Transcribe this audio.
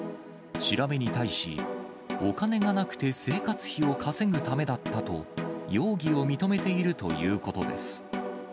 調べに対し、お金がなくて生活費を稼ぐためだったと、容疑を認めているということです。